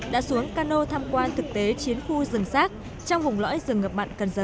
đã xuống cano tham quan thực tế chiến khu rừng sát trong hùng lõi rừng ngập mặn cần giờ